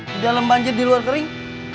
di dalam banjir di luar kering